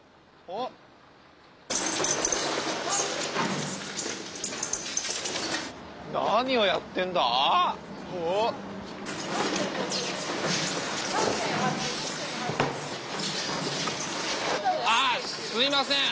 あっすいません！